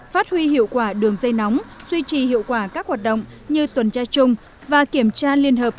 phát huy hiệu quả đường dây nóng duy trì hiệu quả các hoạt động như tuần tra chung và kiểm tra liên hợp